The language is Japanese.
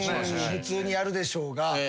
普通にやるでしょうが。